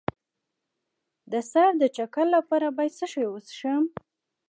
د سر د چکر لپاره باید څه شی وڅښم؟